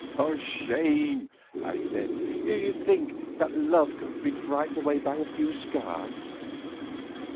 "For shame," I said. "Do you then think that love can be frightened away by some few scars?"